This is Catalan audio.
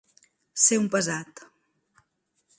Ser un pesat.